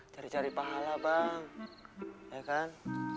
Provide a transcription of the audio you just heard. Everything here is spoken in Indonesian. cari cari pahala bang ya kan